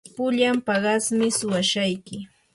pullan paqasmi suwashayki.